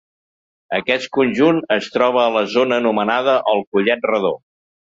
Aquest conjunt es troba a la zona anomenada el Collet Redó.